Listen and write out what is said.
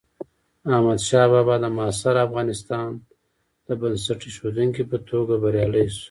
احمدشاه بابا د معاصر افغانستان د بنسټ ایښودونکي په توګه بریالی شو.